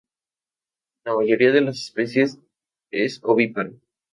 La mayoría de las especies es ovípara.